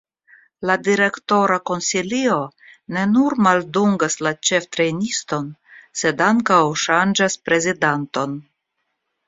La direktora konsilio ne nur maldungas la ĉeftrejniston, sed ankaŭ ŝanĝas prezidanton.